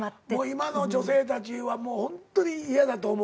今の女性たちはホントに嫌だと思う。